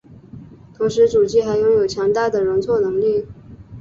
同时主机还拥有强大的容错能力。